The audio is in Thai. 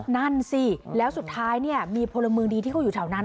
นั่นสิแล้วสุดท้ายเนี่ยมีพลเมืองดีที่เขาอยู่แถวนั้น